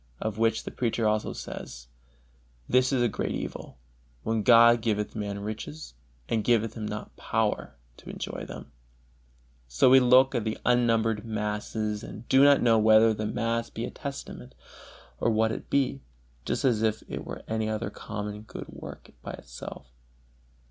Of which the Preacher also says, "This is a great evil, when God giveth a man riches, and giveth him not power to enjoy them." So we look on at unnumbered masses and do not know whether the mass be a testament, or what it be, just as if it were any other common good work by itself.